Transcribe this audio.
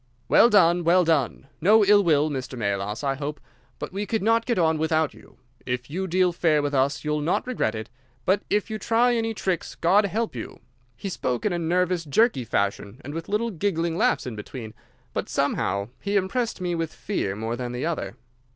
"'Well done, well done! No ill will, Mr. Melas, I hope, but we could not get on without you. If you deal fair with us you'll not regret it, but if you try any tricks, God help you!' He spoke in a nervous, jerky fashion, and with little giggling laughs in between, but somehow he impressed me with fear more than the other.